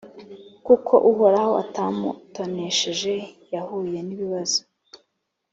kuko Uhoraho atamutonesheje, yahuye nibazo